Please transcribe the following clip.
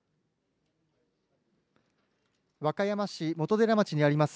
和歌山市元寺町にあります